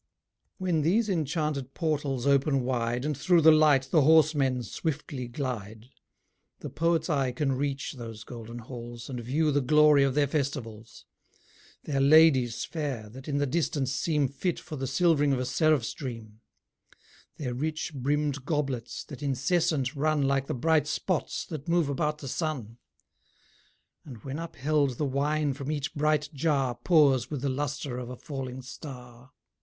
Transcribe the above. When these enchanted portals open wide, And through the light the horsemen swiftly glide, The Poet's eye can reach those golden halls, And view the glory of their festivals: Their ladies fair, that in the distance seem Fit for the silv'ring of a seraph's dream; Their rich brimm'd goblets, that incessant run Like the bright spots that move about the sun; And, when upheld, the wine from each bright jar Pours with the lustre of a falling star.